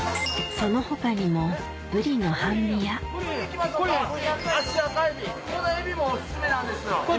その他にもアシアカエビこのエビもおすすめなんですよ。